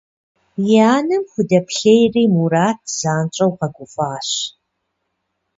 И анэм худэплъейри, Мурат занщӏэу къэгуфӏащ.